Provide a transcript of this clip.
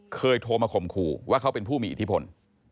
โทรมาข่มขู่ว่าเขาเป็นผู้มีอิทธิพล